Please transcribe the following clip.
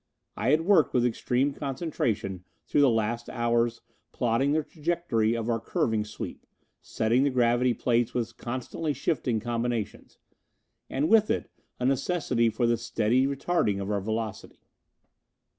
I had worked with extreme concentration through the last few hours, plotting the trajectory of our curving sweep, setting the gravity plates with constantly shifting combinations. And with it a necessity for the steady retarding of our velocity.